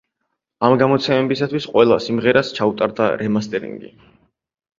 ამ გამოცემებისათვის ყველა სიმღერას ჩაუტარდა რემასტერინგი.